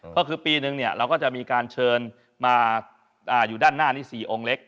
ก็คือปีนึงเราก็จะมีการเชิญมาอยู่ด้านหน้านี้๔องค์เล็ก